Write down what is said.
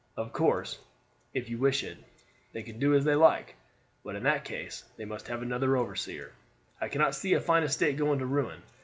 Of course, if you wish it, they can do as they like; but in that case they must have another overseer. I cannot see a fine estate going to ruin.